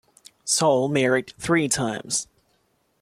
Sewall married three times.